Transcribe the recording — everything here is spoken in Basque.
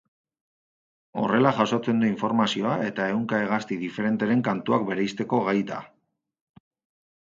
Horrela jasotzen du informazioa eta ehunka hegazti diferenteren kantuak bereizteko gai da.